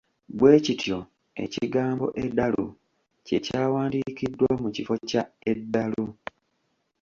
Bwe kityo, ekigambo ‘edalu’ kye kyandiwandiikiddwa mu kifo kya ‘eddalu.’